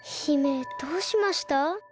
姫どうしました？